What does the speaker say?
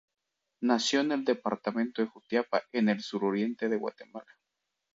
Nació en el departamento de Jutiapa, en el suroriente de Guatemala.